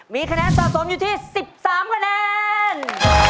มีคะแนนสะสมอยู่ที่๑๓คะแนน